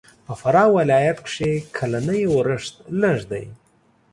په فراه ولایت کښې کلنی اورښت لږ دی.